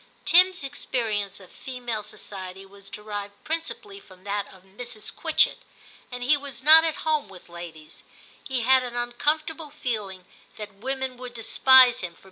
Tim's experience of female society was derived principally from that of Mrs. Quitchett, and he was not at home with ladies ; he had an uncomfortable feeling that women would despise him for 176 TIM CHAP.